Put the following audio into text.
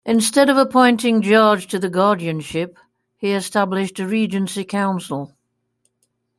Instead of appointing George to the guardianship, he established a regency council.